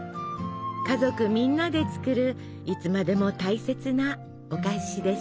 家族みんなで作るいつまでも大切なお菓子です。